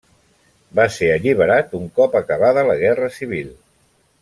Va ser alliberat un cop acabada la Guerra Civil.